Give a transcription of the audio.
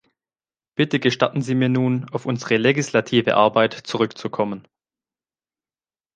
Bitte gestatten Sie mir nun, auf unsere legislative Arbeit zurückzukommen.